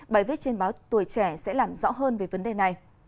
bài viết trên báo tuổi trẻ sẽ làm rõ hơn về vấn đề này